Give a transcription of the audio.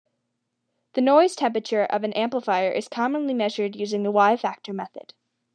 The noise temperature of an amplifier is commonly measured using the Y-factor method.